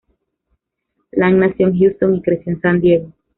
Land nació en Houston y creció en San Diego.